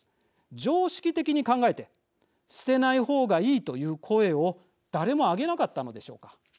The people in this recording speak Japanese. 常識的に考えて捨てない方がいいという声を誰も上げなかったのでしょうか。